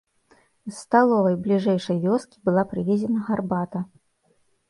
З сталовай бліжэйшай вёскі была прывезена гарбата.